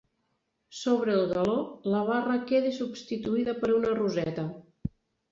Sobre el galó, la barra queda substituïda per una roseta.